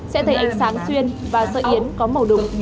sẽ thấy ánh sáng xuyên và sợi yến có màu đục